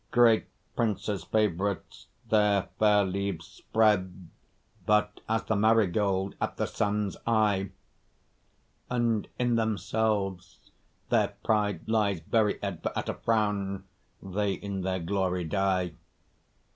Great princes' favourites their fair leaves spread But as the marigold at the sun's eye, And in themselves their pride lies buried, For at a frown they in their glory die.